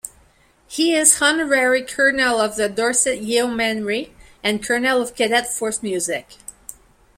He is Honorary Colonel of the Dorset Yeomanry, and Colonel of Cadet Force Music.